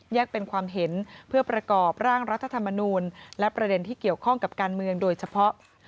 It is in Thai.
เป็นความเห็นเพื่อประกอบร่างรัฐธรรมนูลและประเด็นที่เกี่ยวข้องกับการเมืองโดยเฉพาะ